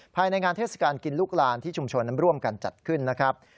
ภายในงานเทศกาลกินลูกลานที่ชุมชนนั้นร่วมกันจัดขึ้นนะครับ